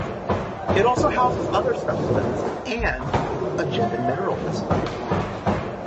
It also houses other specimens and a gem and mineral display.